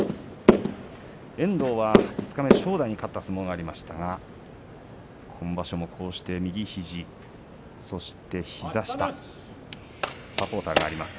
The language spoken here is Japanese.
遠藤は二日目、正代に勝った相撲がありましたが今場所もこうして右肘そして、膝下サポーターがあります。